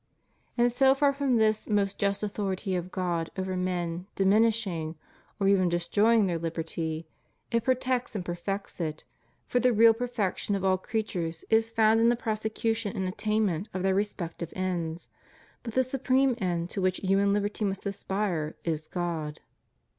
And so far from this most just authority of God over men diminishing, or even destroying their liberty, it protects and perfects it, for the real perfection of all creatures is found in the prosecution and attainment of their respective ends; but the supreme end to which human liberty must aspire is God.